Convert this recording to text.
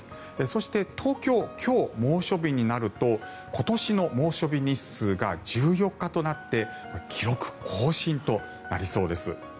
そして東京は今日、猛暑日になると今年の猛暑日日数が１４日となって記録更新となりそうです。